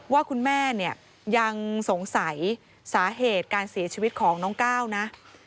ว่าคุณแม่เนี่ยยังสงสัยสาเหตุการเสียชีวิตของน้องก้าวนะ